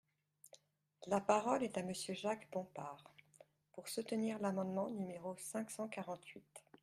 La parole est à Monsieur Jacques Bompard, pour soutenir l’amendement numéro cinq cent quarante-huit.